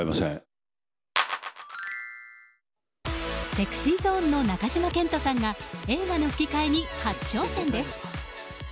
ＳｅｘｙＺｏｎｅの中島健人さんが映画の吹き替えに初挑戦です。